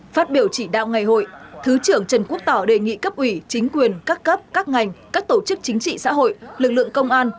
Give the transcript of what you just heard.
phát biểu chỉ đạo ngày hội thứ trưởng trần quốc tỏ đề nghị cấp ủy chính quyền các cấp các ngành các tổ chức chính trị xã hội lực lượng công an